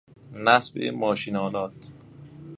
نصب ماشینآلات